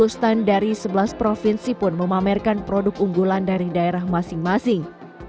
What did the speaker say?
sepuluh stand dari sebelas provinsi pun memamerkan produk unggulan dari daerah masing masing